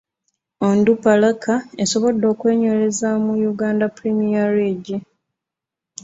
Onduparaka esobodde okwenyereza mu Uganda premier league.